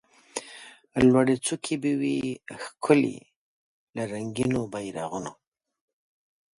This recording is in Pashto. لوړي څوکي به وي ښکلي له رنګینو بیرغونو